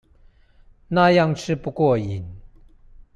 那樣吃不過癮